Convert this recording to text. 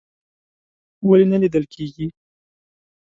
ولې نه لیدل کیږي؟